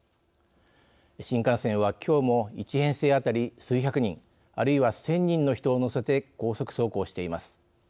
新幹線は、きょうも１編成あたり数百人あるいは１０００人の人を乗せて高速走行しています。